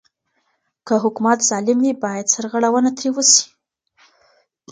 که حکومت ظالم وي بايد سرغړونه ترې وسي.